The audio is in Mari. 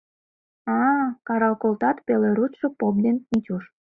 — А-а, — карал колтат пеле руштшо поп ден Мичуш.